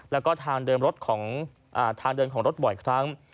และก็ทางเดินของรถบ่อยครั้ง